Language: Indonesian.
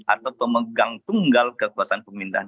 atau pemegang tunggal kekuasaan pemerintahan